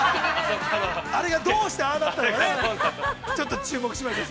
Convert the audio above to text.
◆あれがどうしてああなったのかね、ちょっと注目しましょう。